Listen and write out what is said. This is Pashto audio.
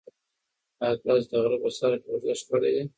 ایا تاسي د غره په سر کې ورزش کړی دی؟